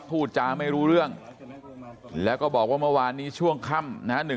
พูดจาไม่รู้เรื่องแล้วก็บอกว่าเมื่อวานนี้ช่วงค่ำนะฮะ